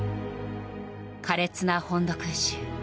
苛烈な本土空襲。